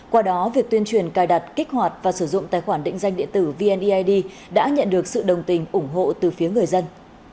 qua đó việc tuyên truyền cài đặt kích hoạt và sử dụng tài khoản định danh điện tử vneid đã nhận được sự đồng tình ủng hộ từ phía người dân